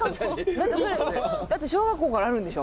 だって小学校からあるんでしょ？